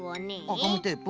あっガムテープ。